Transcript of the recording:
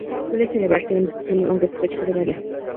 Suele celebrarse en junio aunque su fecha puede variar.